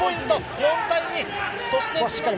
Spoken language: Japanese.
４対２。